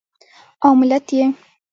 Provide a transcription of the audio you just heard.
او ملت یې